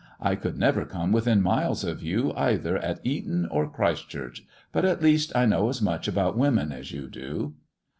I could never come within miles of you either at Eton or Christchurch, but at least I know as much about women as you do."